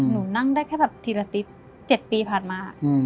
หนูนั่งได้แค่แบบทีละติ๊ด๗ปีผ่านมา